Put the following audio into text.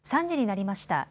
３時になりました。